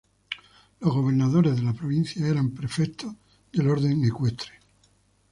Los gobernadores de la provincia eran prefectos del orden ecuestre.